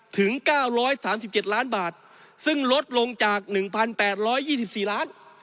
ถึง๙๓๗ล้านบาทซึ่งลดลงจาก๑๘๒๔ล้าน